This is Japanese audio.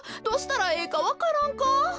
どうしたらええかわからんか？